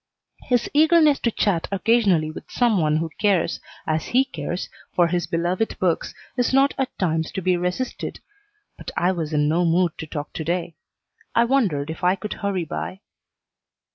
His eagerness to chat occasionally with some one who cares, as he cares, for his beloved books, is not at times to be resisted, but I was in no mood to talk to day. I wondered if I could hurry by.